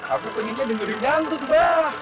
aku pengennya dengerin dangdut bapak